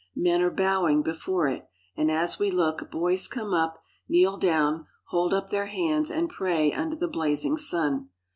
Men are bowing be fore it ; and, as we look, boys come up, kneel down, hold up their hands, and pray under the blazing sun.